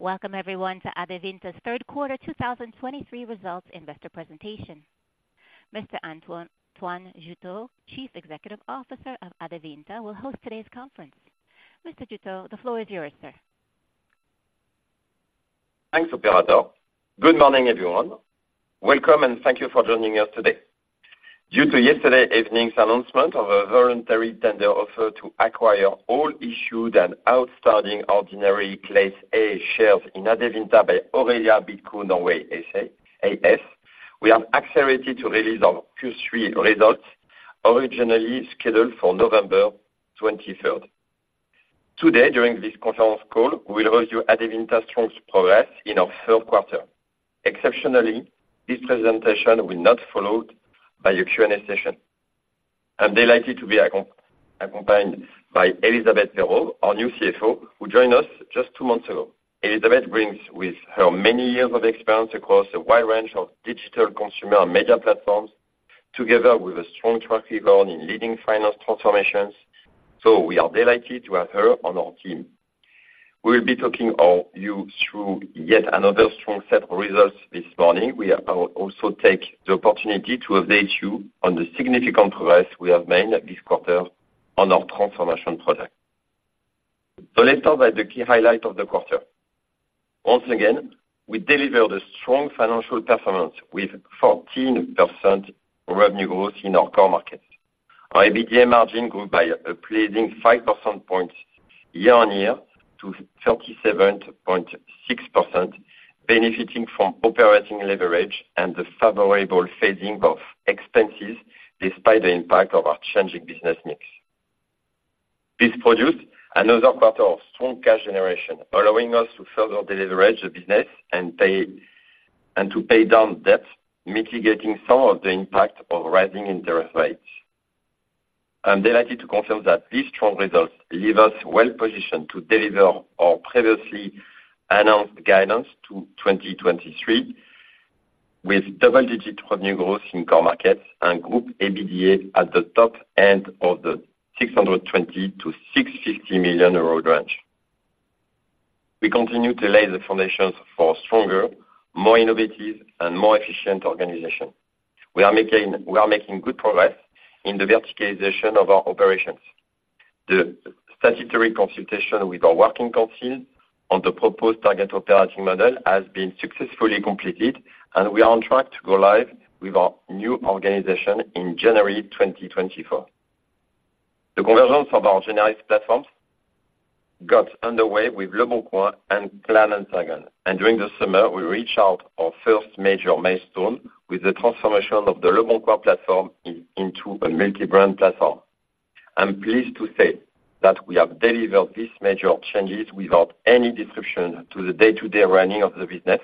Welcome everyone to Adevinta's third quarter 2023 results investor presentation. Mr. Antoine, Antoine Jouteau, Chief Executive Officer of Adevinta, will host today's conference. Mr. Jouteau, the floor is yours, sir. Thanks, operator. Good morning, everyone. Welcome, and thank you for joining us today. Due to yesterday evening's announcement of a voluntary tender offer to acquire all issued and outstanding ordinary Class A shares in Adevinta by Aurelia Bidco Norway AS, we are accelerated to release our Q3 results, originally scheduled for November 23. Today, during this conference call, we will review Adevinta's strong progress in our third quarter. Exceptionally, this presentation will not followed by a Q&A session. I'm delighted to be accompanied by Elisabeth Peyraube, our new CFO, who joined us just two months ago. Elisabeth brings with her many years of experience across a wide range of digital consumer and media platforms, together with a strong track record in leading finance transformations. So we are delighted to have her on our team. We will be talking all you through yet another strong set of results this morning. We are also take the opportunity to update you on the significant progress we have made this quarter on our transformation project. So let's start with the key highlight of the quarter. Once again, we delivered a strong financial performance with 14% revenue growth in our core markets. Our EBITDA margin grew by a pleasing 5 percentage points year-on-year, to 37.6%, benefiting from operating leverage and the favorable phasing of expenses, despite the impact of our changing business mix. This produced another quarter of strong cash generation, allowing us to further deleverage the business and pay, and to pay down debt, mitigating some of the impact of rising interest rates. I'm delighted to confirm that these strong results leave us well positioned to deliver our previously announced guidance to 2023, with double-digit revenue growth in core markets and group EBITDA at the top end of the 620 million-650 million euro range. We continue to lay the foundations for stronger, more innovative and more efficient organization. We are making good progress in the verticalization of our operations. The statutory consultation with our Works Council on the proposed target operating model has been successfully completed, and we are on track to go live with our new organization in January 2024. The convergence of our generalist platforms got underway with Leboncoin and Kleinanzeigen, and during the summer, we reached our first major milestone with the transformation of the Leboncoin platform into a multi-brand platform. I'm pleased to say that we have delivered these major changes without any disruption to the day-to-day running of the business,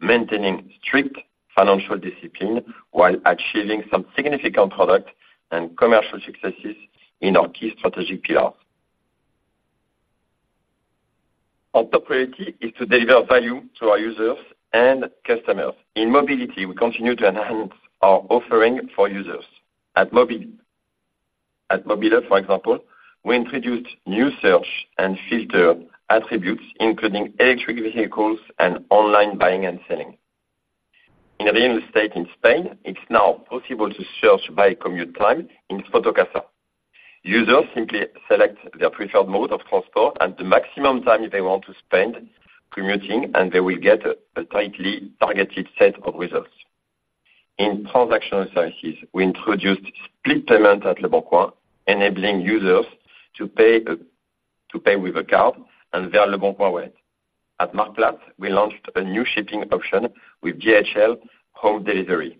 maintaining strict financial discipline while achieving some significant product and commercial successes in our key strategic pillars. Our top priority is to deliver value to our users and customers. In mobility, we continue to enhance our offering for users. At Mobile.de, for example, we introduced new search and filter attributes, including electric vehicles and online buying and selling. In real estate in Spain, it's now possible to search by commute time in Fotocasa. Users simply select their preferred mode of transport and the maximum time they want to spend commuting, and they will get a tightly targeted set of results. In transactional services, we introduced split payment at Leboncoin, enabling users to pay with a card and via Leboncoin Wallet. At Marktplaats, we launched a new shipping option with DHL home delivery.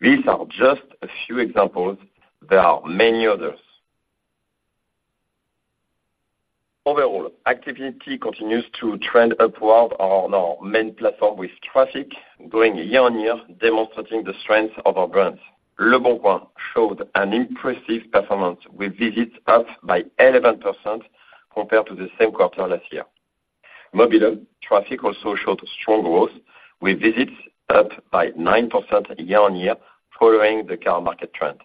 These are just a few examples. There are many others. Overall, activity continues to trend upward on our main platform, with traffic growing year-on-year, demonstrating the strength of our brands. Leboncoin showed an impressive performance, with visits up by 11% compared to the same quarter last year. Mobile traffic also showed strong growth, with visits up by 9% year-on-year, following the car market trend.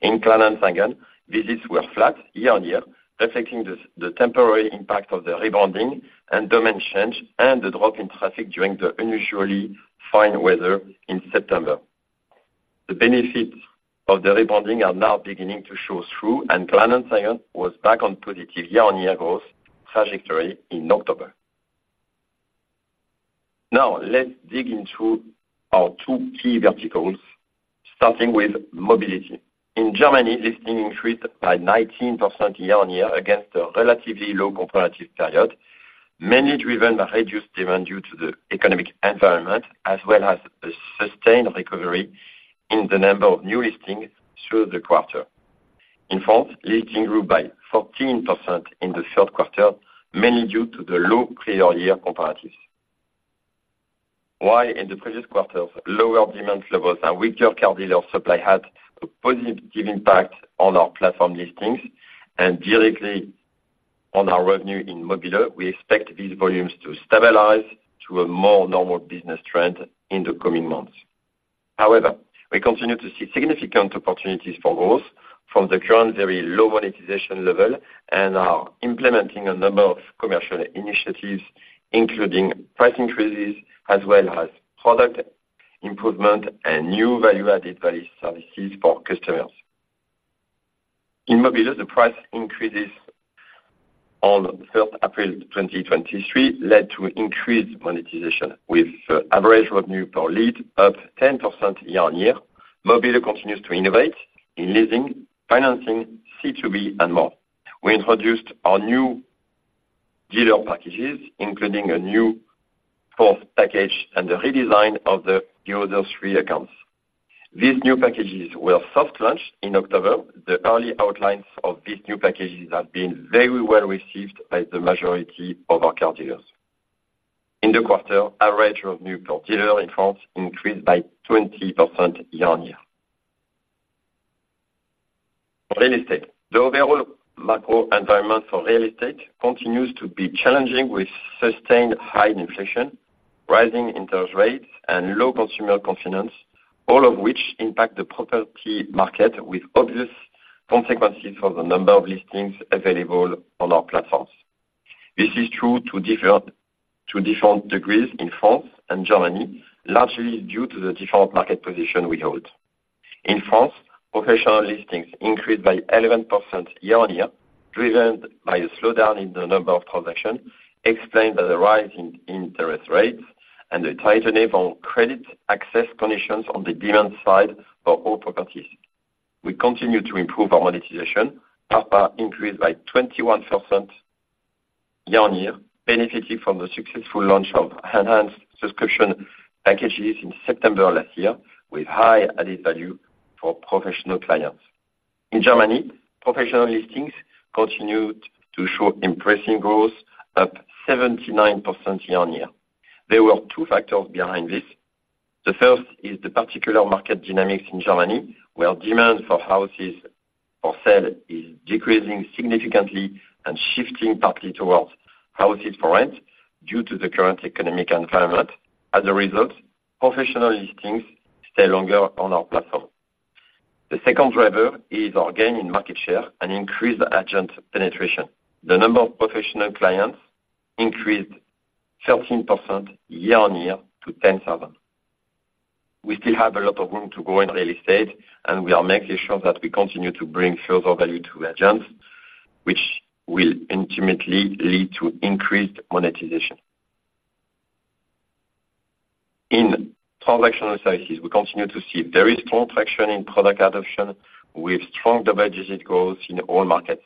In Kleinanzeigen, visits were flat year-on-year, reflecting the temporary impact of the rebranding and domain change, and the drop in traffic during the unusually fine weather in September. The benefits of the rebranding are now beginning to show through, and Kleinanzeigen was back on positive year-on-year growth trajectory in October. Now, let's dig into our two key verticals, starting with mobility. In Germany, listings increased by 19% year-on-year against a relatively low comparative period, mainly driven by reduced demand due to the economic environment, as well as a sustained recovery in the number of new listings through the quarter. In France, listings grew by 14% in the third quarter, mainly due to the low prior year comparatives. While in the previous quarters, lower demand levels and weaker car dealer supply had a positive impact on our platform listings and directly on our revenue in mobile, we expect these volumes to stabilize to a more normal business trend in the coming months... However, we continue to see significant opportunities for growth from the current very low monetization level and are implementing a number of commercial initiatives, including price increases, as well as product improvement and new value-added services for customers. In mobility, the price increases on 1 April 2023 led to increased monetization, with average revenue per lead up 10% year-on-year. Mobile continues to innovate in leasing, financing, C2B, and more. We introduced our new dealer packages, including a new fourth package and the redesign of the other three accounts. These new packages were soft launched in October. The early outlines of these new packages have been very well received by the majority of our car dealers. In the quarter, average revenue per dealer in France increased by 20% year-on-year. Real estate. The overall macro environment for real estate continues to be challenging, with sustained high inflation, rising interest rates, and low consumer confidence, all of which impact the property market, with obvious consequences for the number of listings available on our platforms. This is true to different degrees in France and Germany, largely due to the different market position we hold. In France, professional listings increased by 11% year-on-year, driven by a slowdown in the number of transactions, explained by the rising interest rates and the tightening on credit access conditions on the demand side for all properties. We continue to improve our monetization. ARPA increased by 21% year-on-year, benefiting from the successful launch of enhanced subscription packages in September last year, with high added value for professional clients. In Germany, professional listings continued to show impressive growth, up 79% year-on-year. There were two factors behind this. The first is the particular market dynamics in Germany, where demand for houses for sale is decreasing significantly and shifting partly towards houses for rent due to the current economic environment. As a result, professional listings stay longer on our platform. The second driver is our gain in market share and increased agent penetration. The number of professional clients increased 13% year-on-year to 10,000. We still have a lot of room to grow in real estate, and we are making sure that we continue to bring further value to agents, which will ultimately lead to increased monetization. In transaction services, we continue to see very strong traction in product adoption, with strong double-digit growth in all markets.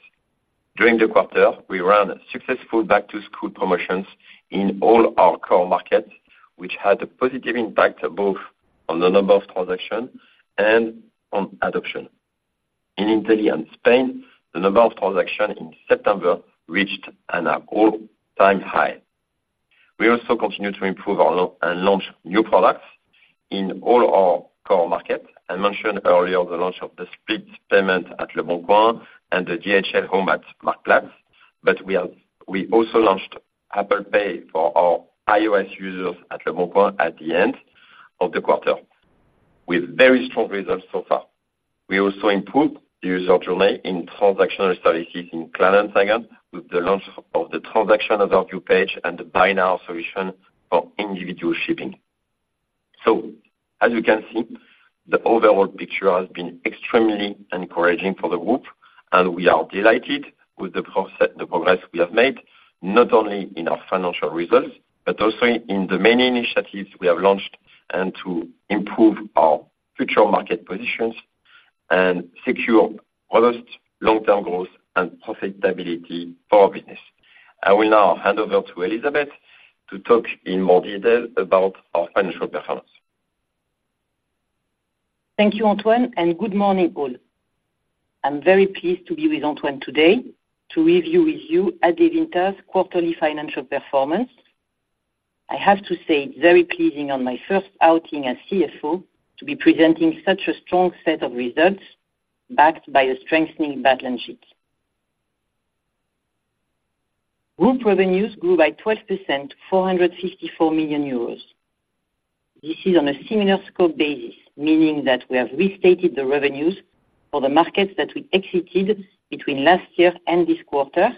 During the quarter, we ran successful back-to-school promotions in all our core markets, which had a positive impact both on the number of transactions and on adoption. In Italy and Spain, the number of transactions in September reached an all-time high. We also continue to improve our and launch new products in all our core markets. I mentioned earlier the launch of the split payment at Leboncoin and the DHL Home at Marktplaats, but we also launched Apple Pay for our iOS users at Leboncoin at the end of the quarter, with very strong results so far. We also improved the user journey in transactional services in Kleinanzeigen with the launch of the Transaction Overview page and the Buy Now solution for individual shipping. As you can see, the overall picture has been extremely encouraging for the group, and we are delighted with the progress, the progress we have made, not only in our financial results, but also in the many initiatives we have launched, and to improve our future market positions and secure robust long-term growth and profitability for our business. I will now hand over to Elisabeth to talk in more detail about our financial performance. Thank you, Antoine, and good morning, all. I'm very pleased to be with Antoine today to review with you Adevinta's quarterly financial performance. I have to say, very pleasing on my first outing as CFO to be presenting such a strong set of results, backed by a strengthening balance sheet. Group revenues grew by 12%, 454 million euros. This is on a similar scope basis, meaning that we have restated the revenues for the markets that we exited between last year and this quarter,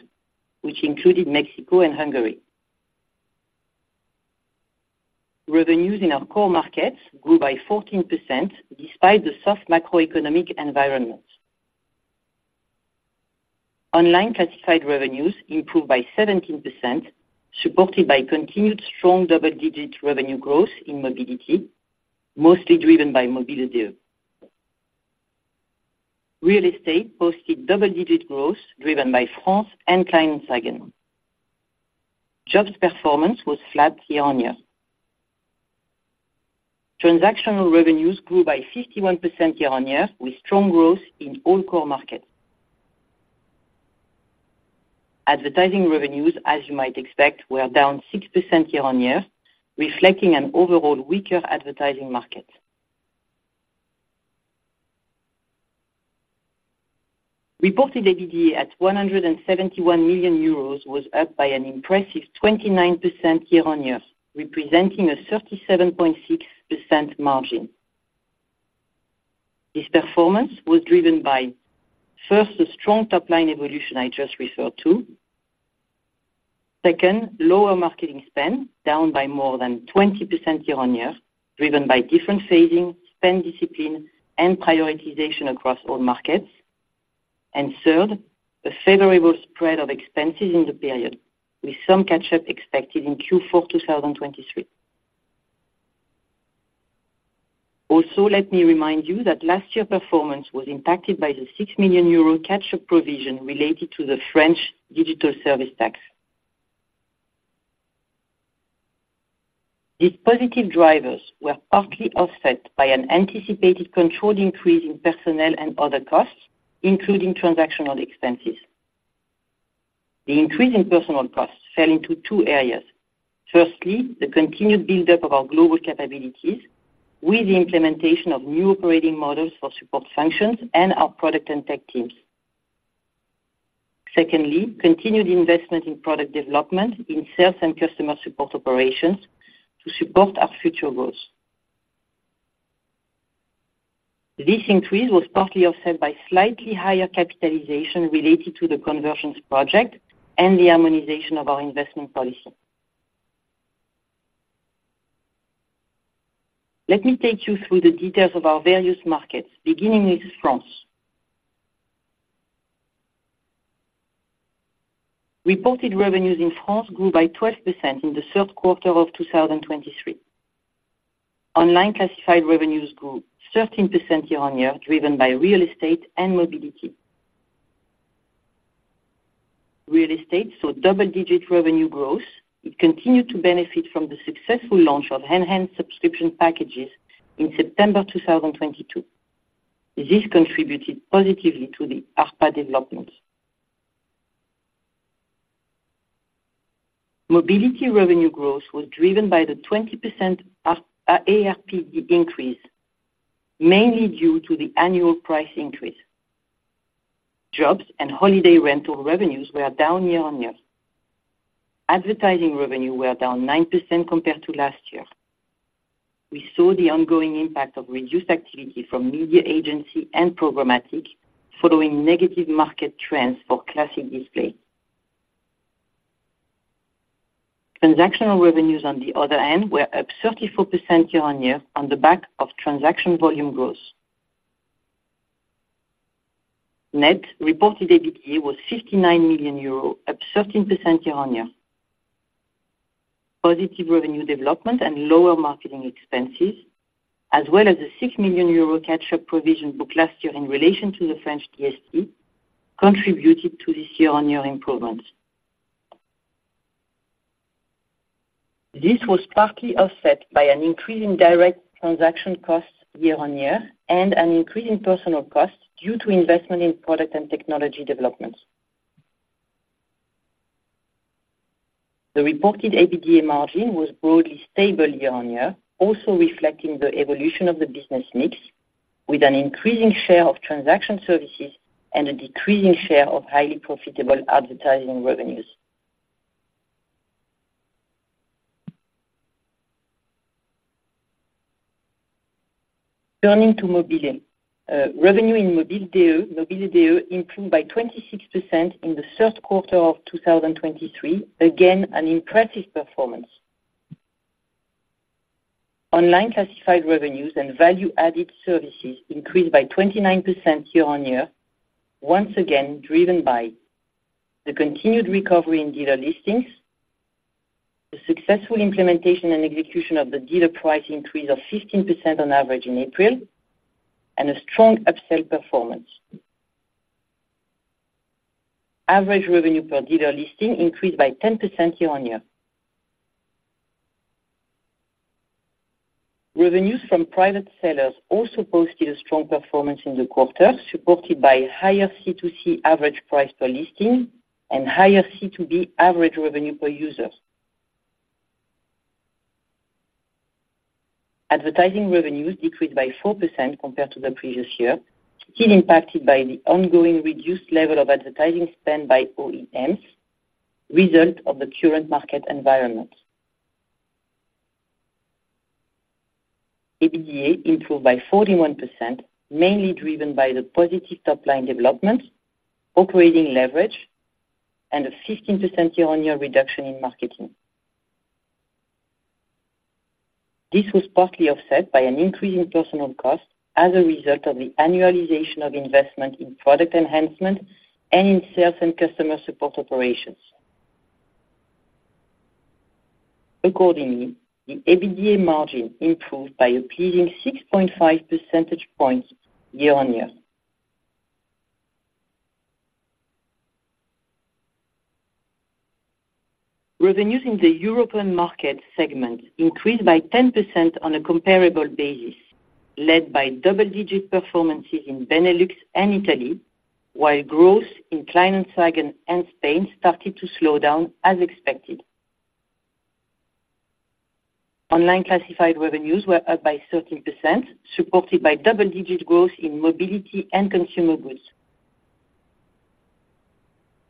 which included Mexico and Hungary. Revenues in our core markets grew by 14%, despite the soft macroeconomic environment. Online classified revenues improved by 17%, supported by continued strong double-digit revenue growth in mobility, mostly driven by mobile.de. Real estate posted double-digit growth, driven by France and Kleinanzeigen. Jobs performance was flat year-on-year. Transactional revenues grew by 51% year-on-year, with strong growth in all core markets. Advertising revenues, as you might expect, were down 6% year-on-year, reflecting an overall weaker advertising market. Reported EBITDA at 171 million euros was up by an impressive 29% year-on-year, representing a 37.6% margin. This performance was driven by, first, the strong top line evolution I just referred to. Second, lower marketing spend, down by more than 20% year-on-year, driven by different phasing, spend discipline, and prioritization across all markets. And third, the favorable spread of expenses in the period, with some catch-up expected in Q4 2023. Also, let me remind you that last year's performance was impacted by the 6 million euro catch-up provision related to the French Digital Services Tax. These positive drivers were partly offset by an anticipated controlled increase in personnel and other costs, including transactional expenses. The increase in personnel costs fell into two areas. Firstly, the continued build-up of our global capabilities with the implementation of new operating models for support functions and our product and tech teams. Secondly, continued investment in product development in sales and customer support operations to support our future growth. This increase was partly offset by slightly higher capitalization related to the Convergence project and the harmonization of our investment policy. Let me take you through the details of our various markets, beginning with France. Reported revenues in France grew by 12% in the third quarter of 2023. Online classified revenues grew 13% year-on-year, driven by real estate and mobility. Real estate saw double-digit revenue growth. It continued to benefit from the successful launch of enhanced subscription packages in September 2022. This contributed positively to the ARPA development. Mobility revenue growth was driven by the 20% ARPD increase, mainly due to the annual price increase. Jobs and holiday rental revenues were down year-on-year. Advertising revenue were down 9% compared to last year. We saw the ongoing impact of reduced activity from media agency and programmatic, following negative market trends for classic display. Transactional revenues, on the other hand, were up 34% year-on-year on the back of transaction volume growth. Net reported EBITDA was 59 million euros, up 13% year-on-year. Positive revenue development and lower marketing expenses, as well as a 6 million euro catch-up provision for last year in relation to the French DST, contributed to this year-on-year improvement. This was partly offset by an increase in direct transaction costs year-on-year and an increase in personnel costs due to investment in product and technology development. The reported EBITDA margin was broadly stable year-on-year, also reflecting the evolution of the business mix, with an increasing share of transaction services and a decreasing share of highly profitable advertising revenues. Turning to mobile.de, revenue in mobile.de improved by 26% in the first quarter of 2023. Again, an impressive performance. Online classified revenues and value-added services increased by 29% year-on-year, once again, driven by the continued recovery in dealer listings, the successful implementation and execution of the dealer price increase of 15% on average in April, and a strong upsell performance. Average revenue per dealer listings increased by 10% year-on-year. Revenues from private sellers also posted a strong performance in the quarter, supported by higher C2C average price per listings and higher C2B average revenue per user. Advertising revenues decreased by 4% compared to the previous year, still impacted by the ongoing reduced level of advertising spend by OEMs, result of the current market environment. EBITDA improved by 41%, mainly driven by the positive top-line development, operating leverage, and a 15% year-on-year reduction in marketing. This was partly offset by an increase in personnel costs as a result of the annualization of investment in product enhancement and in sales and customer support operations. Accordingly, the EBITDA margin improved by a pleasing 6.5 percentage points year-on-year. Revenues in the European market segment increased by 10% on a comparable basis, led by double-digit performances in Benelux and Italy, while growth in Kleinanzeigen and Spain started to slow down, as expected. Online classified revenues were up by 13%, supported by double-digit growth in mobility and consumer goods.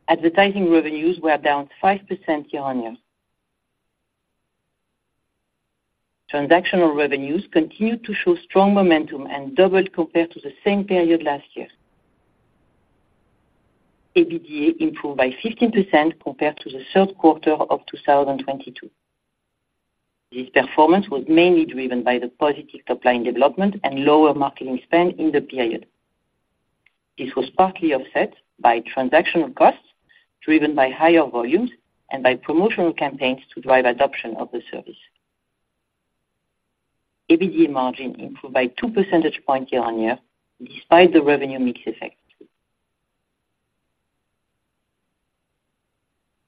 Advertising revenues were down 5% year-on-year. Transactional revenues continued to show strong momentum and doubled compared to the same period last year. EBITDA improved by 15% compared to the third quarter of 2022. This performance was mainly driven by the positive top line development and lower marketing spend in the period. This was partly offset by transactional costs, driven by higher volumes and by promotional campaigns to drive adoption of the service. EBITDA margin improved by 2 percentage points year-on-year, despite the revenue mix effect.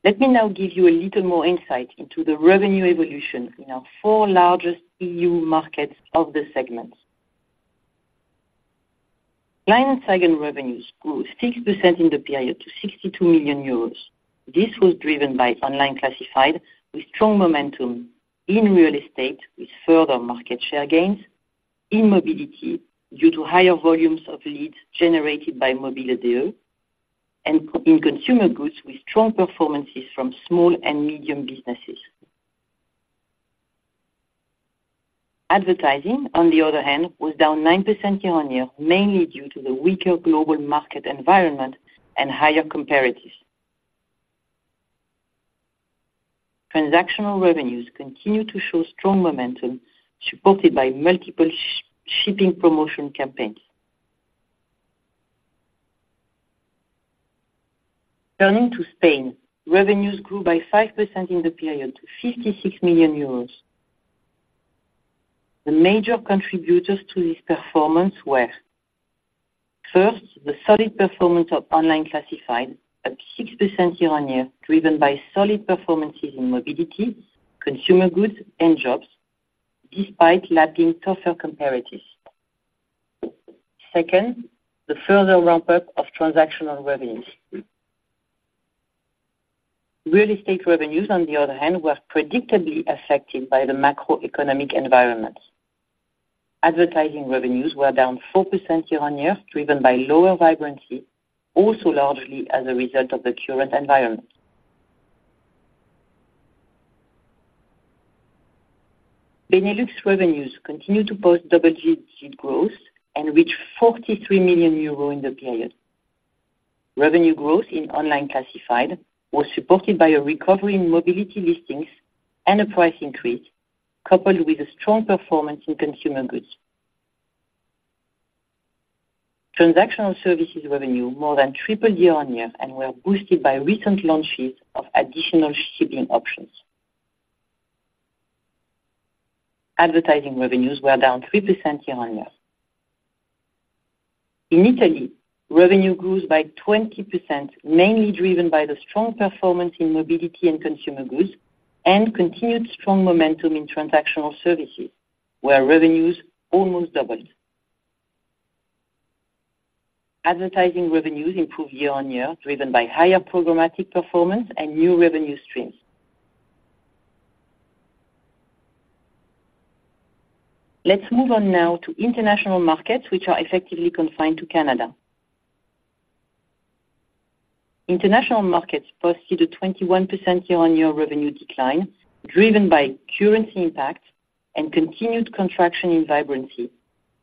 Let me now give you a little more insight into the revenue evolution in our four largest EU markets of the segment. Germany revenues grew 6% in the period to 62 million euros. This was driven by online classified, with strong momentum in real estate, with further market share gains, in mobility due to higher volumes of leads generated by Mobile.de, and in consumer goods, with strong performances from small and medium businesses. Advertising, on the other hand, was down 9% year-on-year, mainly due to the weaker global market environment and higher comparatives. Transactional revenues continue to show strong momentum, supported by multiple shipping promotion campaigns. Turning to Spain, revenues grew by 5% in the period to 56 million euros. The major contributors to this performance were, first, the solid performance of online classified, up 6% year-on-year, driven by solid performances in mobility, consumer goods and jobs, despite lacking tougher comparatives. Second, the further ramp-up of transactional revenues. Real estate revenues, on the other hand, were predictably affected by the macroeconomic environment. Advertising revenues were down 4% year-on-year, driven by lower vibrancy, also largely as a result of the current environment. Benelux revenues continue to post double-digit growth and reach 43 million euros in the period. Revenue growth in online classified was supported by a recovery in mobility listings and a price increase, coupled with a strong performance in consumer goods. Transactional services revenue more than tripled year-on-year and were boosted by recent launches of additional shipping options. Advertising revenues were down 3% year-on-year. In Italy, revenue grew by 20%, mainly driven by the strong performance in mobility and consumer goods, and continued strong momentum in transactional services, where revenues almost doubled. Advertising revenues improved year-on-year, driven by higher programmatic performance and new revenue streams. Let's move on now to international markets, which are effectively confined to Canada. International markets posted a 21% year-on-year revenue decline, driven by currency impacts and continued contraction in vibrancy,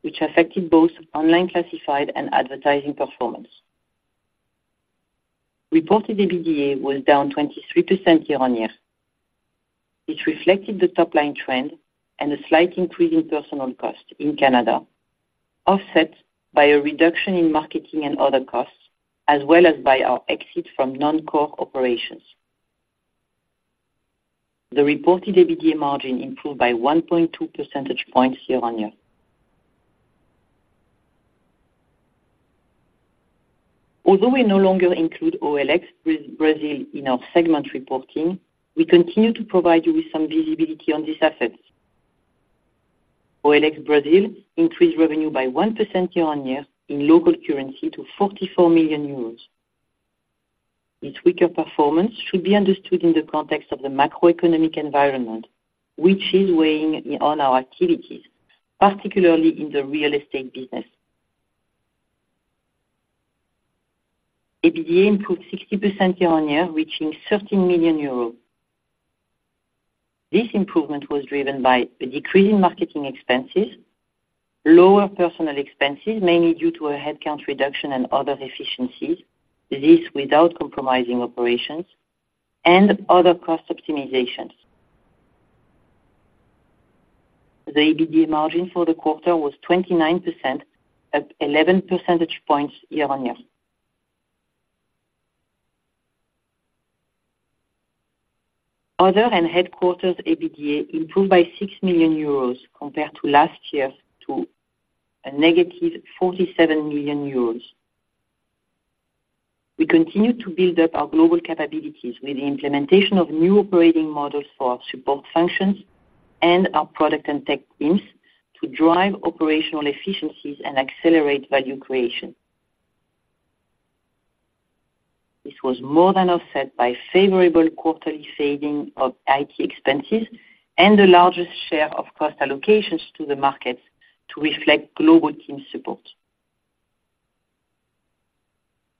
which affected both online classified and advertising performance. Reported EBITDA was down 23% year-on-year, which reflected the top line trend and a slight increase in personal cost in Canada, offset by a reduction in marketing and other costs, as well as by our exit from non-core operations. The reported EBITDA margin improved by 1.2 percentage points year-on-year. Although we no longer include OLX Brazil in our segment reporting, we continue to provide you with some visibility on this asset. OLX Brazil increased revenue by 1% year-on-year in local currency to 44 million euros. Its weaker performance should be understood in the context of the macroeconomic environment, which is weighing in on our activities, particularly in the real estate business. EBITDA improved 60% year-on-year, reaching 13 million euros. This improvement was driven by a decrease in marketing expenses, lower personal expenses, mainly due to a headcount reduction and other efficiencies, this without compromising operations and other cost optimizations. The EBITDA margin for the quarter was 29%, up 11 percentage points year-on-year. Other and headquarters EBITDA improved by 6 million euros compared to last year's to a negative 47 million euros. We continue to build up our global capabilities with the implementation of new operating models for our support functions and our product and tech teams to drive operational efficiencies and accelerate value creation.... This was more than offset by favorable quarterly savings of IT expenses and the largest share of cost allocations to the markets to reflect global team support.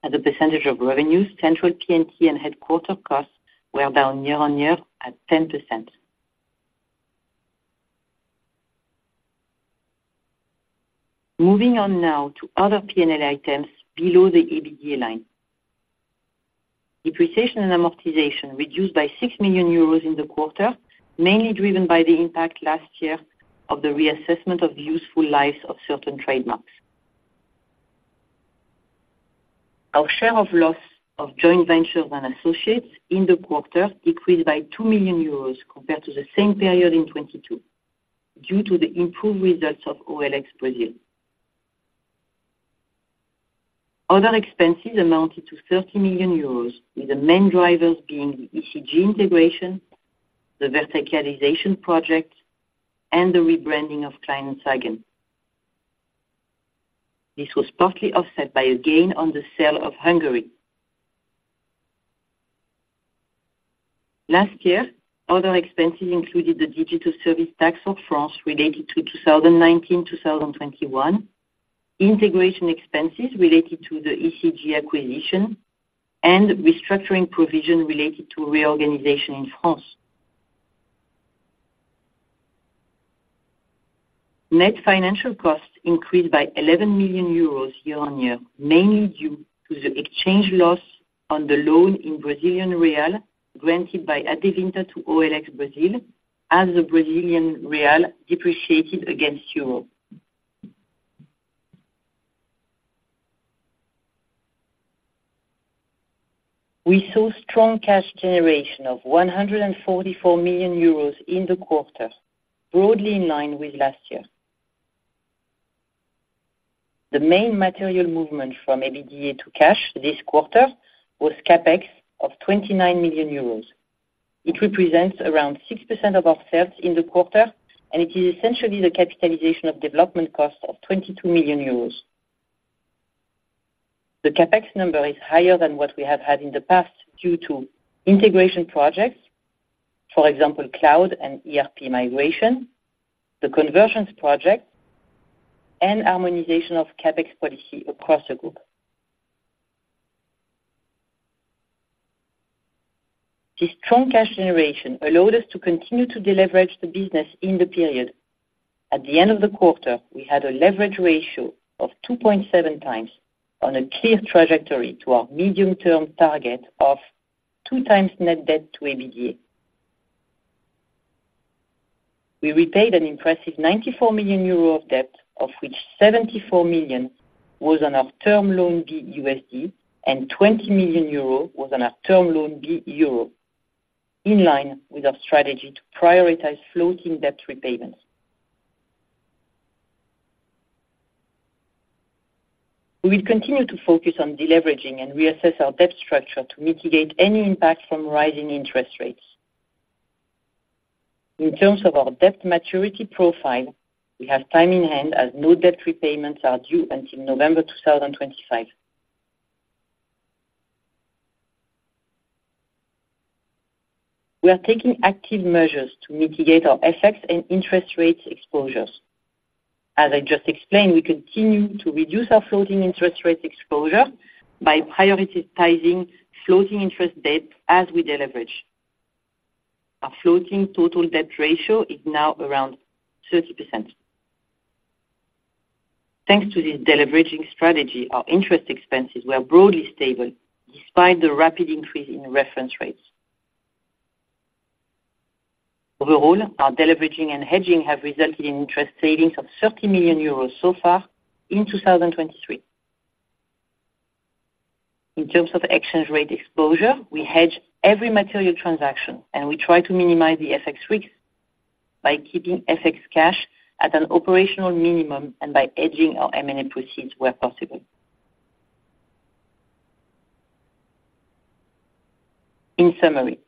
As a percentage of revenue, central P&T and headquarters costs were down year-on-year at 10%. Moving on now to other P&L items below the EBITDA line. Depreciation and amortization reduced by 6 million euros in the quarter, mainly driven by the impact last year of the reassessment of useful lives of certain trademarks. Our share of loss of joint ventures and associates in the quarter decreased by 2 million euros compared to the same period in 2022, due to the improved results of OLX Brazil. Other expenses amounted to 30 million euros, with the main drivers being the ECG integration, the verticalization project, and the rebranding of Kleinanzeigen. This was partly offset by a gain on the sale of Hungary. Last year, other expenses included the digital service tax of France related to 2019, 2021, integration expenses related to the ECG acquisition, and restructuring provision related to reorganization in France. Net financial costs increased by 11 million euros year-on-year, mainly due to the exchange loss on the loan in Brazilian real, granted by Adevinta to OLX Brazil, as the Brazilian real depreciated against euro. We saw strong cash generation of 144 million euros in the quarter, broadly in line with last year. The main material movement from EBITDA to cash this quarter was CapEx of 29 million euros. It represents around 6% of our sales in the quarter, and it is essentially the capitalization of development costs of 22 million euros. The CapEx number is higher than what we have had in the past, due to integration projects, for example, cloud and ERP migration, the conversions project, and harmonization of CapEx policy across the group. This strong cash generation allowed us to continue to deleverage the business in the period. At the end of the quarter, we had a leverage ratio of 2.7 times on a clear trajectory to our medium-term target of 2 times net debt to EBITDA. We repaid an impressive 94 million euro of debt, of which $74 million was on our Term Loan B USD, and 20 million euro was on our Term Loan B Euro, in line with our strategy to prioritize floating debt repayments. We will continue to focus on deleveraging and reassess our debt structure to mitigate any impact from rising interest rates. In terms of our debt maturity profile, we have time in hand as no debt repayments are due until November 2025. We are taking active measures to mitigate our FX and interest rate exposures. As I just explained, we continue to reduce our floating interest rate exposure by prioritizing floating interest debt as we deleverage. Our floating total debt ratio is now around 30%. Thanks to this deleveraging strategy, our interest expenses were broadly stable despite the rapid increase in reference rates. Overall, our deleveraging and hedging have resulted in interest savings of 30 million euros so far in 2023. In terms of exchange rate exposure, we hedge every material transaction, and we try to minimize the FX risks by keeping FX cash at an operational minimum and by hedging our M&A proceeds where possible. In summary,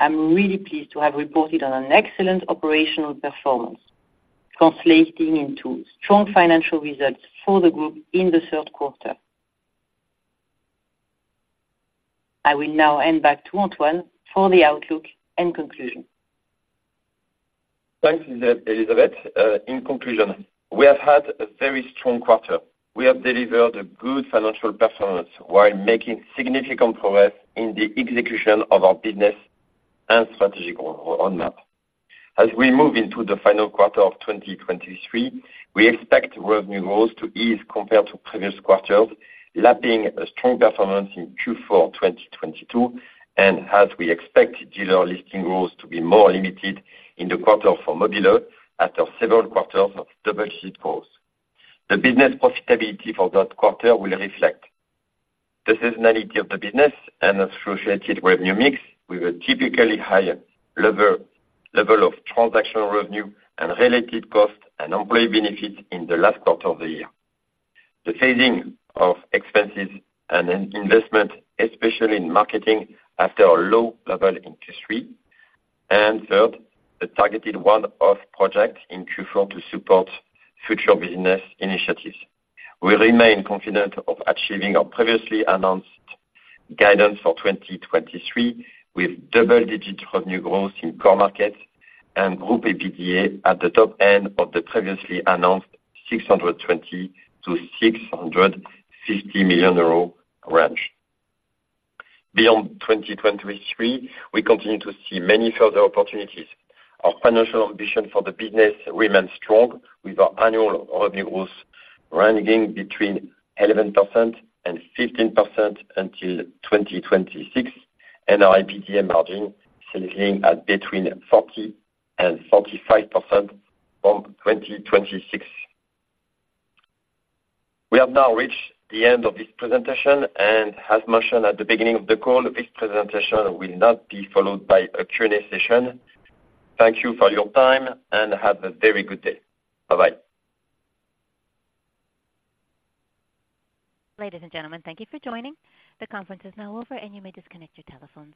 I'm really pleased to have reported on an excellent operational performance, translating into strong financial results for the group in the third quarter. I will now hand back to Antoine for the outlook and conclusion. Thanks, Elisabeth. In conclusion, we have had a very strong quarter. We have delivered a good financial performance while making significant progress in the execution of our business and strategic roadmap. As we move into the final quarter of 2023, we expect revenue growth to ease compared to previous quarters, lapping a strong performance in Q4 2022, and as we expect dealer listings growth to be more limited in the quarter for mobile.de, after several quarters of double-digit growth. The business profitability for that quarter will reflect the seasonality of the business and associated revenue mix, with a typically higher level of transactional revenue and related costs and employee benefits in the last quarter of the year. The phasing of expenses and investment, especially in marketing, after a low level in Q3. Third, the targeted one-off project in Q4 to support future business initiatives. We remain confident of achieving our previously announced guidance for 2023, with double-digit revenue growth in core markets and group EBITDA at the top end of the previously announced 620 million-650 million euro range. Beyond 2023, we continue to see many further opportunities. Our financial ambition for the business remains strong, with our annual revenue growth ranging between 11% and 15% until 2026, and our EBITDA margin sitting at between 40% and 45% from 2026. We have now reached the end of this presentation, and as mentioned at the beginning of the call, this presentation will not be followed by a Q&A session. Thank you for your time, and have a very good day. Bye-bye. Ladies and gentlemen, thank you for joining. The conference is now over, and you may disconnect your telephones.